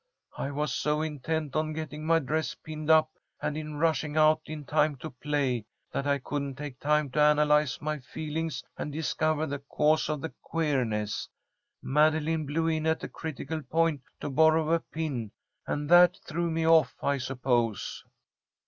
I was so intent on getting my dress pinned up, and in rushing out in time to play, that I couldn't take time to analyze my feelings and discover the cause of the queerness. Madeline blew in at a critical point to borrow a pin, and that threw me off, I suppose."